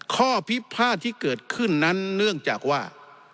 ข้อพิพาทที่เกิดขึ้นนั้นเนื่องจากว่า